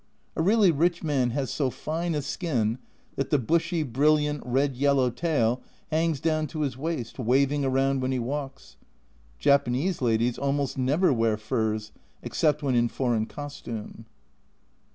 A really rich man has so fine a skin that the bushy, brilliant red yellow tail hangs down to his waist, waving around when he walks. Japanese ladies almost never wear furs, except when in foreign costume.